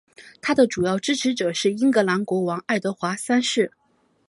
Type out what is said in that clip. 他的主要支持者是英格兰国王爱德华三世。